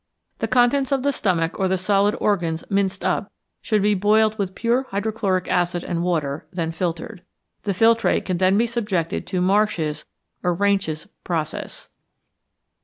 The contents of the stomach, or the solid organs minced up, should be boiled with pure hydrochloric acid and water, then filtered. The filtrate can then be subjected to Marsh's or Reinsch's process.